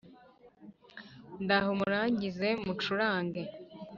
ndahe umurangi nze mucurange